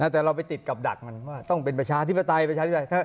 แต่เราไปติดกับดักมันว่าต้องเป็นประชาธิปไตย